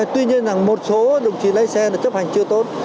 tuy nhiên là một số đồng chí lái xe là chấp hành chưa tốt